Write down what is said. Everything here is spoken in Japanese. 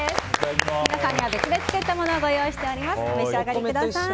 皆さんには別で作ったものをご用意しております。